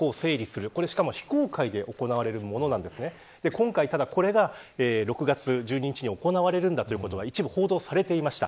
今回これが６月１５日に行われていることが一部報道されていました。